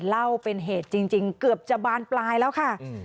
เล่าเป็นเหตุจริงเกือบจะบานปลายแล้วค่ะ